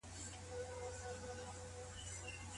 تر واده وروسته له پرېشانيو څخه خلاصون څنګه ممکن دی؟